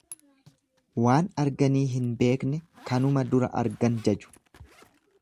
Waan arganii hin beekne kanuma dura argan jaju.